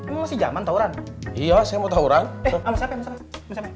lu masih jaman tawuran iya saya mau tawuran eh ama siapa ama siapa